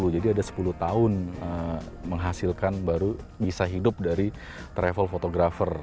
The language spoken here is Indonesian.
jadi ada sepuluh tahun menghasilkan baru bisa hidup dari travel photographer